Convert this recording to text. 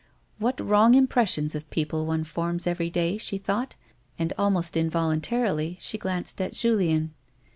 "What wrong impressions of people one forms every day," she thought ; and, almost involuntarily, she glanced at Julien.